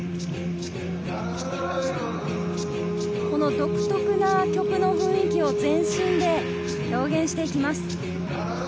独特な曲の雰囲気を全身で表現していきます。